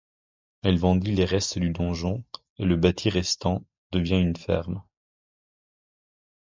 Elle vendit les restes du donjon et le bâti restant devient une ferme.